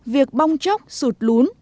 việc bong chốc sụt lún